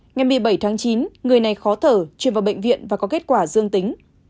ngày một mươi bảy tháng chín người này khó thở chuyển vào bệnh viện và có kết quả dương tính